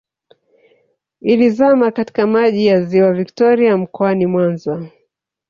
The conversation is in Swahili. Ilizama katika Maji ya Ziwa Victoria mkoani Mwanza